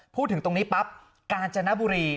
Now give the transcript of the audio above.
พูดถึงตรงนี้ปั๊บกาญจนบุรี